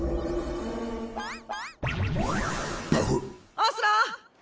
オスロー！